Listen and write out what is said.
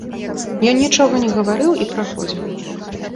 Ён нічога не гаварыў і праходзіў.